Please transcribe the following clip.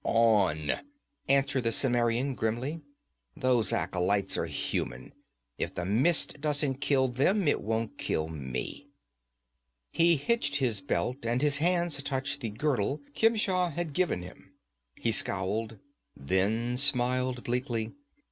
'On!' answered the Cimmerian grimly. 'Those acolytes are human; if the mist doesn't kill them, it won't kill me.' He hitched his belt, and his hands touched the girdle Khemsa had given him; he scowled, then smiled bleakly.